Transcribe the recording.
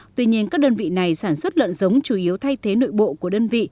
tuy nhiên các đơn vị này sản xuất lợn giống chủ yếu thay thế nội bộ của đơn vị